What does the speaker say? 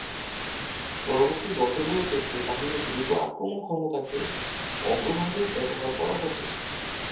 পরবর্তী বছরগুলোতে এই বাহিনীর দ্রুত আক্রমণ ক্ষমতাকে অগ্রভাগে ব্যবহার করা হত।